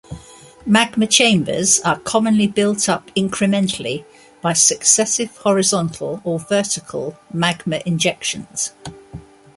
Magma chambers are commonly built up incrementally, by successive horizontal or vertical magma injections.